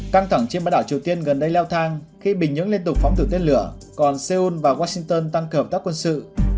căng thẳng trên bãi đảo triều tiên gần đây leo thang khi bình nhưỡng liên tục phóng thử tên lửa còn seoul và washington tăng cường hợp tác quân sự